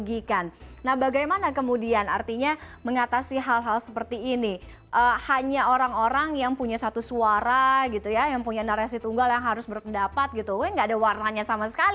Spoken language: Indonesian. ini juga gantikan pada keluarga dan juga manajer